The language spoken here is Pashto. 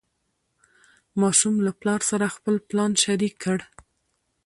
ماشوم له پلار سره خپل پلان شریک کړ